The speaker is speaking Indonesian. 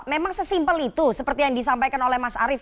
memang sesimpel itu seperti yang disampaikan oleh mas arief